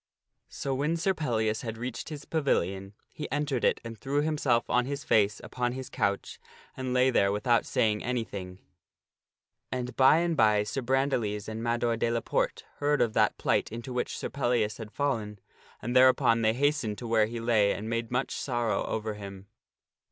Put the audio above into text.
So when Sir Pellias had reached his pavilion, he entered it and threw himself on his face upon his couch and lay there without saying anything. 23 6 THE STORY OF SIR PELLIAS And by and by Sir Brandiles and Mador de la Porte heard of that plight into which Sir Pellias had fallen, and thereupon they hastened to where he lay and made much sorrow over him.